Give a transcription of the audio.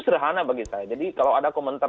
sederhana bagi saya jadi kalau ada komentar